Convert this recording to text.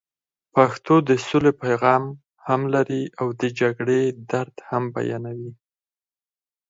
پښتو د سولې پیغام هم لري او د جګړې درد هم بیانوي.